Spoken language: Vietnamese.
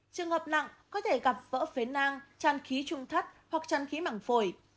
trường hợp nặng có thể gặp vỡ phế nang tràn khí trung thất hoặc chăn khí mảng phổi